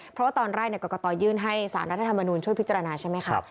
เพราะว่าตอนแรกกรกตยื่นให้สารรัฐธรรมนูญช่วยพิจารณาใช่ไหมคะ